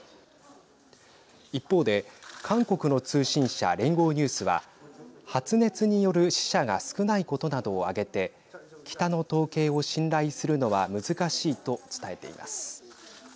一方で韓国の通信社連合ニュースは発熱による死者が少ないことなどを挙げて北の統計を信頼するのは難しいと伝えています。